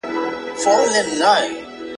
دا تُرابان دی د بدریو له داستانه نه ځي ,